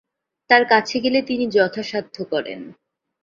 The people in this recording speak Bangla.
তাঁর কাছে গেলে তিনি যথাসাধ্য করেন।